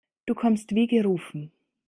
Du kommst wie gerufen.